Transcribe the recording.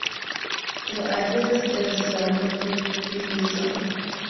The Exodus is central to Judaism.